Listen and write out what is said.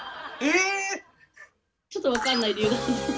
ちょっと分かんない理由だ。